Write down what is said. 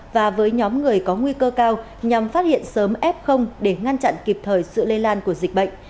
và với nhóm người có nguy cơ cao nhằm phát hiện sớm f để ngăn chặn kịp thời sự lây lan của dịch bệnh